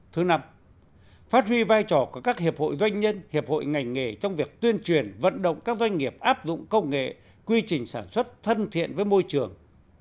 thứ năm phát huy vai trò của các hiệp hội doanh nhân hiệp hội ngành nghề trong việc tuyên truyền vận động các doanh nghiệp áp dụng công nghệ quy trình sản xuất thân thiện với môi trường